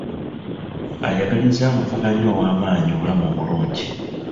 Ayagaliza amuvuganya ow'amaanyi, obulamu obulungi.